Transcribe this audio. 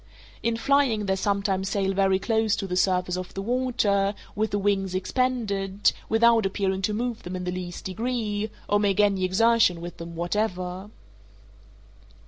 In flying they sometimes sail very close to the surface of the water, with the wings expanded, without appearing to move them in the least degree, or make any exertion with them whatever.